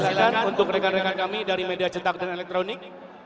silahkan untuk rekan rekan kami dari media cetak dan elektronik